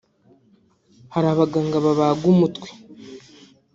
hari abaganga babaga umutwe